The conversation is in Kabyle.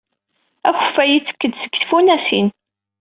Akeffay yettekk-d seg tfunasin.